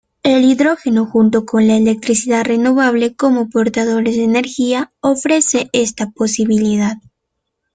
El hidrógeno junto con la electricidad renovable como portadores de energía, ofrece esta posibilidad.